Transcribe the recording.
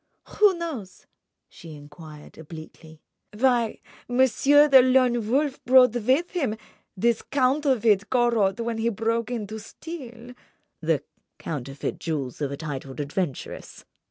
"Who knows," she enquired, obliquely, "why Monsieur the Lone Wolf brought with him this counterfeit Corot when he broke in to steal—" "The counterfeit jewels of a titled adventuress!"